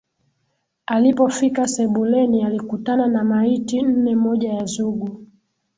Alipofika sebuleni alikutana na maiti nne moja ya Zugu